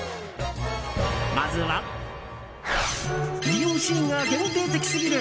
まずは利用シーンが限定的すぎる！